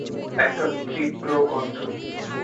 একটা তীব্র গন্ধ।